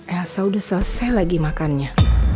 elsa udah selesai lagi makannya